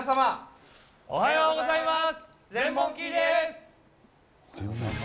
おはようございます。